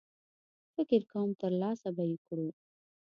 فکر کوم ترلاسه به یې کړو.